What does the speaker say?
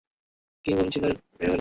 কী বলছিস রে বিশওয়া?